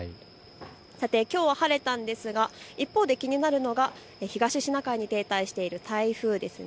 さて、きょうは晴れたんですが気になるのは東シナ海に停滞している台風です。